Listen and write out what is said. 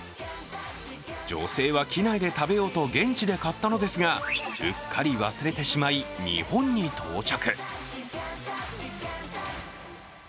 女性は機内で食べようと現地で買ったのですが、うっかり忘れてしまい日本に到着。